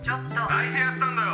「抱いてやったんだよ！